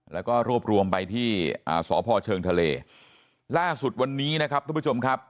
แล้วก็รวบรวมไปที่อ่าสพเชิงทะเลล่าสุดวันนี้นะครับทุกผู้ชมครับ